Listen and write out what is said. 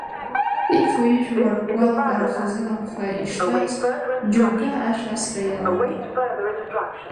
Ифо-ижәуа, ргәалаҟара хазынахәха иштәаз, џьоукы ашә асра иалагеит.